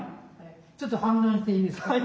ちょっと反論していいですか？